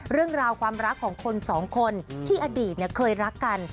เรื่องราวความรักของคนสองคนที่อดีตเคยรักกัน